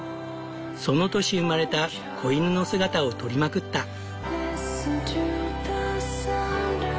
その年生まれた子犬の姿を撮りまくった。